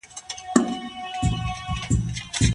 دلارام د فراه د بکواه له سیمي سره ډېر ورته والی لري.